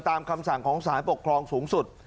คำสั่งของสารปกครองสูงสุด